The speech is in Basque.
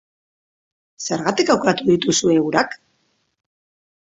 Zergatik aukeratu dituzue eurak?